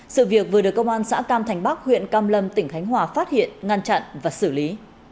sự việc vừa được công an xã cam thành bắc huyện cam lâm tỉnh khánh hòa phát hiện ngăn chặn và xử lý